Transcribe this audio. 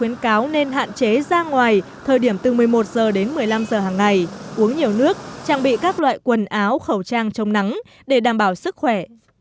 nắng ngoài thời điểm từ một mươi một h đến một mươi năm h hàng ngày uống nhiều nước trang bị các loại quần áo khẩu trang trong nắng để đảm bảo sức khỏe